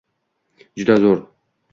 Juda zo'r!